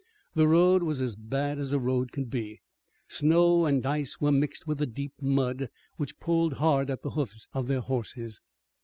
The road was as bad as a road could be. Snow and ice were mixed with the deep mud which pulled hard at the hoofs of their horses.